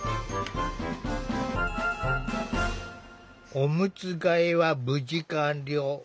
おむつ替えは無事完了。